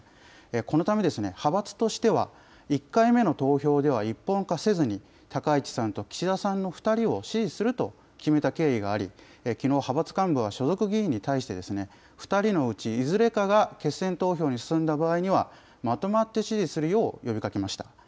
このため、派閥としては１回目の投票では一本化せずに、高市さんと岸田さんの２人を支持すると決めた経緯があり、きのう、派閥幹部は所属議員に対し、２人のうちいずれかが決選投票に進んだ場合には、まとまって支持するよう呼びかけました。